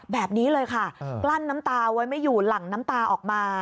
แบบนี้เลยค่ะกลั้นน้ำตาไว้ไม่อยู่หลั่งน้ำตาออกมา